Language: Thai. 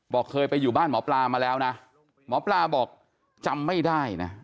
เคยไปอยู่บ้านหมอปลามาแล้วนะหมอปลาบอกจำไม่ได้นะ